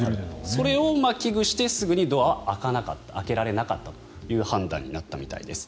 それを危惧してすぐにドアは開かなかった開けられなかったという判断になったみたいです。